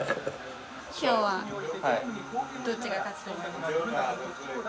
今日はどっちが勝つと思いますか？